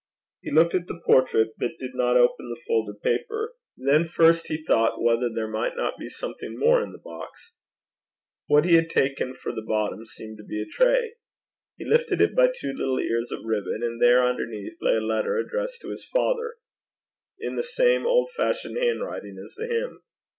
He looked at the portrait, but did not open the folded paper. Then first he thought whether there might not be something more in the box: what he had taken for the bottom seemed to be a tray. He lifted it by two little ears of ribbon, and there, underneath, lay a letter addressed to his father, in the same old fashioned handwriting as the hymn.